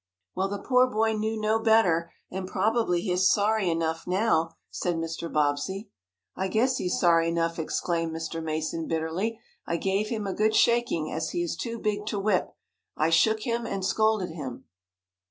"Well, the poor boy knew no better, and probably he is sorry enough now," said Mr. Bobbsey. "I guess he's sorry enough!" exclaimed Mr. Mason, bitterly. "I gave him a good shaking, as he is too big to whip. I shook him and scolded him."